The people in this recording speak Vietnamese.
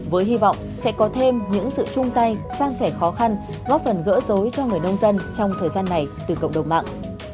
với hy vọng sẽ có thêm những sự chung tay sang sẻ khó khăn góp phần gỡ dối cho người nông dân trong thời gian này từ cộng đồng mạng